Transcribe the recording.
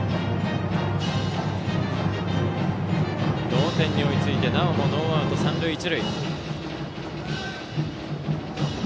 同点に追いついてなおもノーアウト三塁一塁。